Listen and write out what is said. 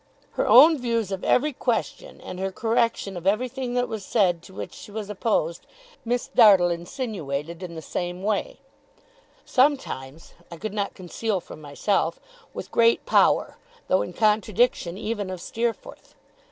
Her own views of every question, and her correction of everything that was said to which she was opposed, Miss Dartle insinuated in the same way: sometimes, I could not conceal from myself, with great power, though in contradiction even of Steerforth.